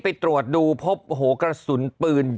ไปตรวจดูพบกระสูงปืน